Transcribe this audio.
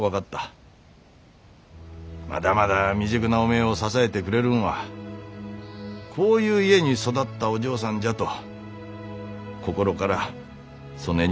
まだまだ未熟なおめえを支えてくれるんはこういう家に育ったお嬢さんじゃと心からそねえに思えた。